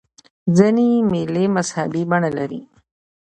ځیني مېلې مذهبي بڼه لري.